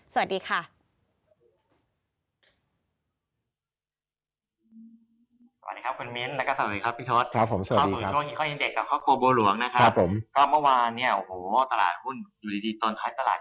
สวัสดีค่ะ